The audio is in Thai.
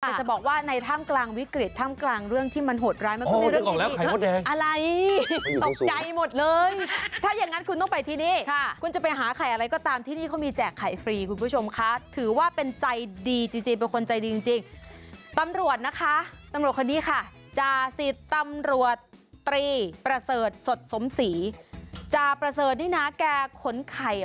ถ้าจะบอกว่าในท่ามกลางวิกฤตท่ามกลางเรื่องที่มันหดร้าย